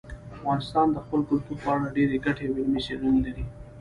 افغانستان د خپل کلتور په اړه ډېرې ګټورې او علمي څېړنې لري.